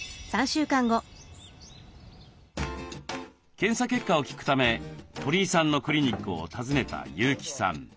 検査結果を聞くため鳥居さんのクリニックを訪ねた優木さん。